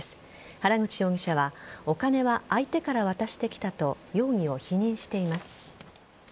原口容疑者はお金は相手から渡してきたと容疑を否認しています。